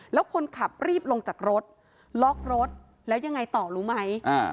แล้วคนขับรีบลงจากรถล็อกรถแล้วยังไงต่อรู้ไหม